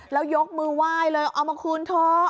แล้วยกมือไหว้เลยเอามาคืนเถอะ